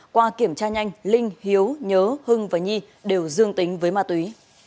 qua kiểm tra nhanh linh hiếu nhớ hưng và nhi đều dương tính với ma túy